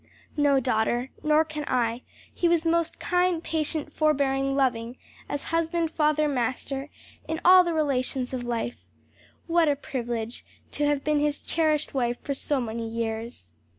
"No, daughter, nor can I; he was most kind, patient, forbearing, loving, as husband, father, master in all the relations of life. What a privilege to have been his cherished wife for so many years!"